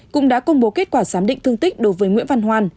cũng đã công bố kết quả giám định thương tích đối với nguyễn văn hoan